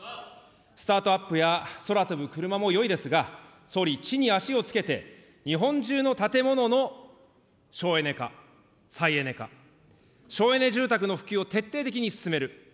スタートアップや空飛ぶクルマもよいですが、総理、地に足をつけて、日本中の建物の省エネ化、再エネ化、省エネ住宅の普及を徹底的に進める。